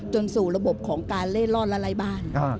สู่ระบบของการเล่ร่อนและไร้บ้าน